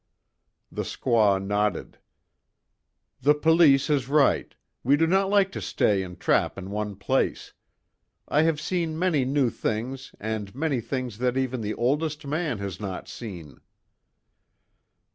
The squaw nodded: "The police is right. We do not like to stay and trap in one place. I have seen many new things, and many things that even the oldest man has not seen."